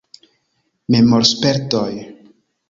Memorspertoj.